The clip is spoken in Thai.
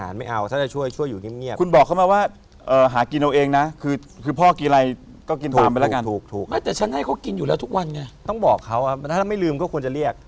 แล้วคุณเอาไปวางแค่อย่างเดียว